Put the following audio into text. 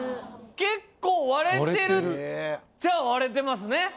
結構割れてるっちゃ割れてますね。